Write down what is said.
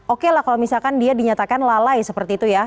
okelah kalau misalkan dia dinyatakan lalai seperti itu ya